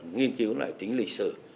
nghiên cứu lại tính lịch sử